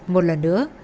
một lần nữa